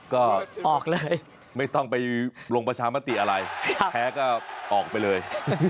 ก็ออกเลยไม่ต้องไปลงประชามติอะไรแพ้ก็ออกไปเลย